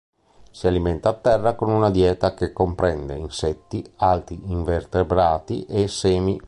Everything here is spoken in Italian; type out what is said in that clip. Si alimenta a terra con una dieta che comprende insetti, altri invertebrati e semi.